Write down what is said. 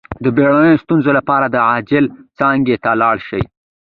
د بیړنیو ستونزو لپاره د عاجل څانګې ته لاړ شئ